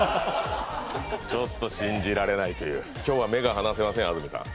ちょっと信じられないという、今日は目が離せないですよ。